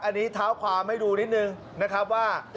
อันนี้เท้าความให้ดูนิดนึงนะครับว่า